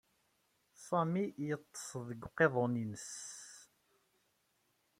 Sami yeṭṭes deg uqiḍun-nnes.